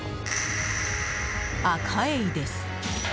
アカエイです。